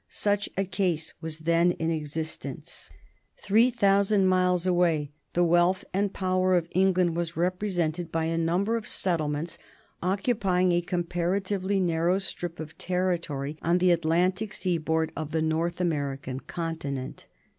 Such a case was then in existence. [Sidenote: 1765 The American colonies] Three thousand miles away the wealth and power of England was represented by a number of settlements occupying a comparatively narrow strip of territory on the Atlantic seaboard of the North American continent.